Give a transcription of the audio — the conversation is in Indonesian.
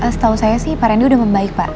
setau saya sih pak randy udah membaik pak